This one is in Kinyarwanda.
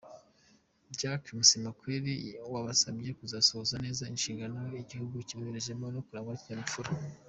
Jacques Musemakweli wabasabye kuzasohoza neza inshingano igihugu kiboherejemo no kurangwa n’ikinyabupfura.